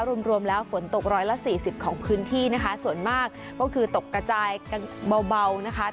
รวมรวมแล้วฝนตกร้อยละสี่สิบของพื้นที่นะคะส่วนมากก็คือตกกระจายกันเบานะคะ